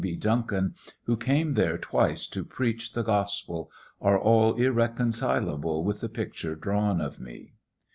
B. Duncan, wh came there twice to preach the gospel, are all irreconcilable with the pictur drawn of me.